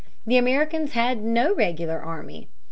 The Americans had no regular army.